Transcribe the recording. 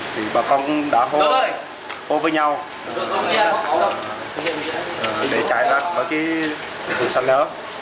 thì bà phong đã hô với nhau để chạy ra với vùng sạt lở